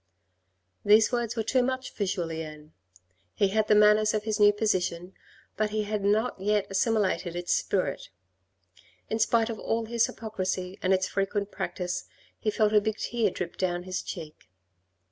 These words were too much for Julien. He had the manners of his new position, but he had not yet assimilated its spirit. In spite of all his hypocrisy and its frequent practice, he felt a big tear drip down his cheek.